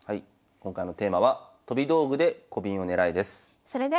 今回のテーマは「飛び道具でコビンをねらえ！」です。